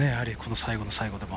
最後の最後でも。